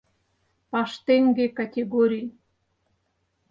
Паштеҥге категорий...